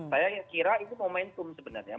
saya kira itu momentum sebenarnya